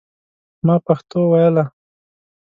ما پښتو ویله.